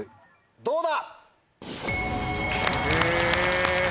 どうだ？